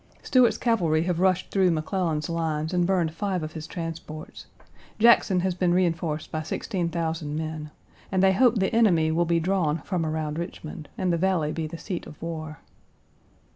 Stuart's cavalry have rushed through McClellan's lines and burned five of his transports. Jackson has been reenforced by 16,000 men, and they hope the enemy will be drawn from around Richmond, and the valley be the seat of war.